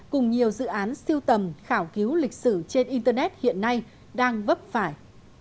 cùng nhiều dự án siêu tầm khảo cứu lịch sử trên internet hiện nay đang vấp phải